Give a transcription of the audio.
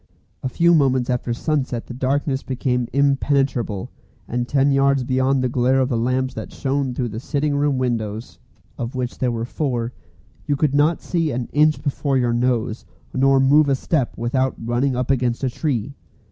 A few moments after sunset the darkness became impenetrable, and ten yards beyond the glare of the lamps that shone through the sitting room windows of which there were four you could not see an inch before your nose, nor move a step without running up against a tree.